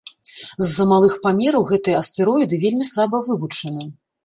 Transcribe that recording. З-за малых памераў гэтыя астэроіды вельмі слаба вывучаны.